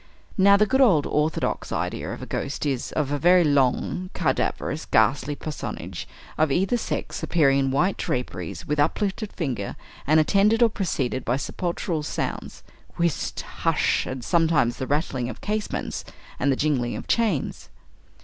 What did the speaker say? Now the good old orthodox idea of a ghost is, of a very long, cadaverous, ghastly personage, of either sex, appearing in white draperies, with uplifted finger, and attended or preceded by sepulchral sounds whist! hush! and sometimes the rattling of casements and the jingling of chains.